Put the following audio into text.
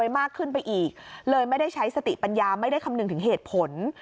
ไม่ได้สติปัญญาไม่ได้คำนึงถึงเหตุผล